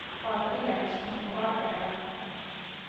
Vaata videost, millega paar tegeleb!